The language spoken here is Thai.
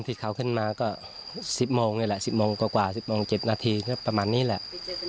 ที่เขาขึ้นมาก็สิบโมงเฉพาะกว่าสิบโมงเจ็ดนาทีประมาณนี้แหล่ะ